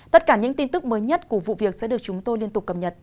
tất cả những tin tức mới nhất của vụ việc sẽ được chúng tôi liên tục cập nhật